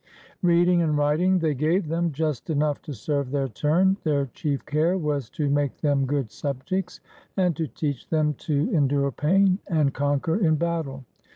Reading and writing they gave them, just enough to serve their turn; their chief care was to make them good subjects, and to teach them to en 42 HOW THE SPARTAN BOYS WERE TRAINED dure pain and conquer in battle.